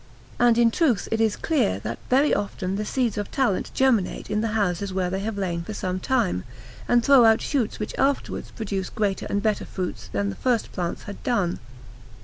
And in truth it is clear that very often the seeds of talent germinate in the houses where they have lain for some time, and throw out shoots which afterwards produce greater and better fruits than the first plants had done.